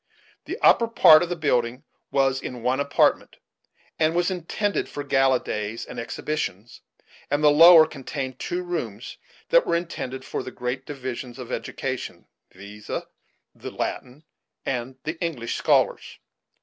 The upper part of the building was in one apartment, and was intended for gala days and exhibitions; and the lower contained two rooms that were intended for the great divisions of education, viz., the Latin and the English scholars.